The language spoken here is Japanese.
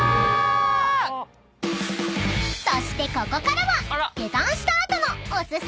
［そしてここからは］